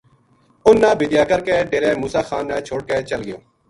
اُنھ با بِدیا کر کے ڈیرے موسیٰ خان نا چھوڈ کے چل گیو